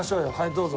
どうぞ。